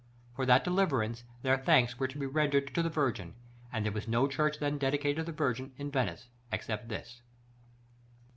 For that deliverance, their thanks were to be rendered to the Virgin; and there was no church then dedicated to the Virgin, in Venice, except this.